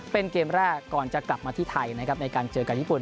เป็นเกมแรกก่อนจะกลับมาที่ไทยนะครับในการเจอกับญี่ปุ่น